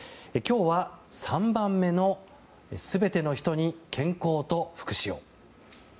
今日は３番目のすべての人に健康と福祉を。